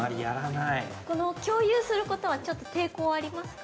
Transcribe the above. ◆共有することは、ちょっと抵抗ありますか。